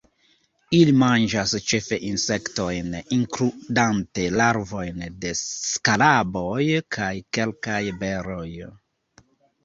Ili manĝas ĉefe insektojn, inkludante larvojn de skaraboj, kaj kelkaj beroj.